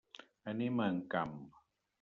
Anem a Encamp.